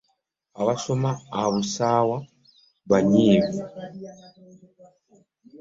Abasoma abusawa banyiivu.